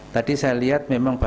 tadi saya lihat memang